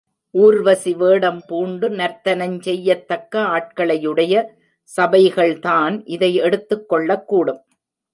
ஊர்வசி வேடம் பூண்டு நர்த்தனஞ் செய்யத்தக்க ஆட்களையுடைய சபைகள்தான் இதை எடுத்துக் கொள்ளக்கூடும்.